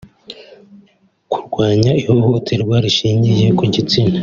kurwanya ihohoterwa rishingiye ku gitsina